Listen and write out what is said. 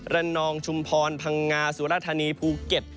นองชุมพรพังงาสุรธานีภูเก็ต